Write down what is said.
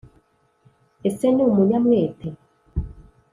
Ese ni umunyamwete?